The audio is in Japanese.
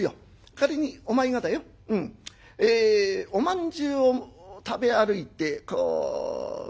仮にお前がだよえおまんじゅうを食べ歩いてこう道を歩いてるな。